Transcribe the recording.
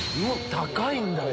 高いんだ。